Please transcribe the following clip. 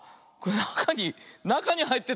なかになかにはいってたよ。